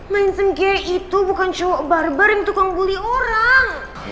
manseng gary itu bukan cowok barbar yang tukang bully orang